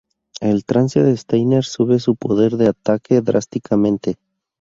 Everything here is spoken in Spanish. El Trance de Steiner sube su poder de ataque drásticamente.